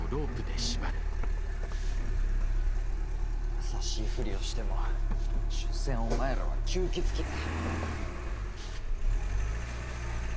優しいふりをしても所詮お前らは吸血鬼だ。